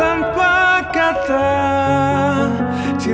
engkau jauh di situ